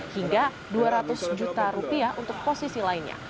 hingga dua ratus juta rupiah untuk posisi lainnya